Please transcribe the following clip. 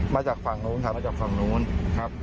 มาจากฝั่งนู้นถามมาจากฝั่งนู้นครับ